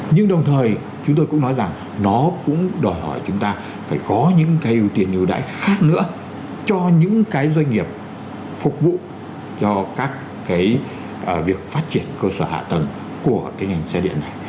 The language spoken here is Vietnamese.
nhưng đồng thời chúng tôi cũng nói rằng nó cũng đòi hỏi chúng ta phải có những cái ưu tiên ưu đãi khác nữa cho những cái doanh nghiệp phục vụ cho các cái việc phát triển cơ sở hạ tầng của cái ngành xe điện này